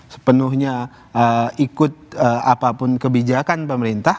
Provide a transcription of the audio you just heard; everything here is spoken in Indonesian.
sepenuhnya ikut apapun kebijakan pemerintah